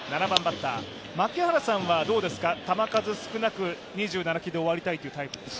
槇原さんは球数少なく２７球で終わりたいというタイプですか？